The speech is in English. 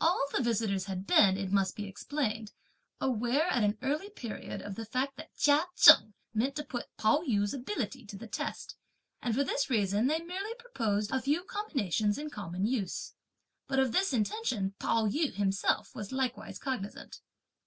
All the visitors had been, it must be explained, aware at an early period of the fact that Chia Cheng meant to put Pao yü's ability to the test, and for this reason they merely proposed a few combinations in common use. But of this intention, Pao yü himself was likewise cognizant.